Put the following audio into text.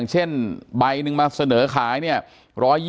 อ๋อเจ้าสีสุข่าวของสิ้นพอได้ด้วย